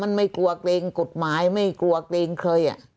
มันไม่กลัวกับตัวเองกฎหมายไม่กลัวกับตัวเองเคย